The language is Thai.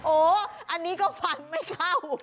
โอ้อันนี้ก็ฟันไม่เข้า